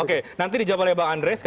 oke nanti dijawab oleh bang andre